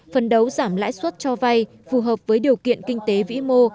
phần đấu giảm lãi suất cho vay phù hợp với điều kiện kinh tế vĩ mô